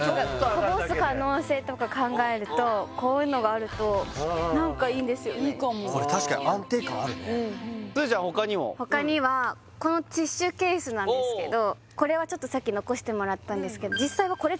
こぼす可能性とか考えるとこういうのがあると何かいいんですよねこれ確かにすずちゃん他にも他にはこのティッシュケースなんですけどこれはちょっとさっき残してもらったんですけど